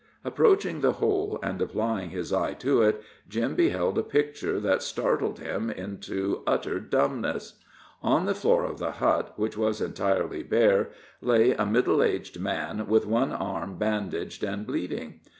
Approaching the hole and applying his eye to it, Jim beheld a picture that startled him into utter dumbness. On the floor of the hut, which was entirely bare, lay a middle aged man, with one arm bandaged and bleeding.